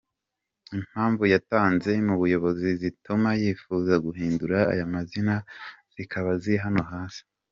Impamvu yatanze mu buyobozi zituma yifuza guhindura aya mazina zikaba ziri hano hasi:.